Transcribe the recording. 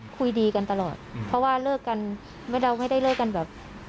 คุยดีกันตลอดเพราะว่าเลิกกันเราไม่ได้เลิกกันแบบ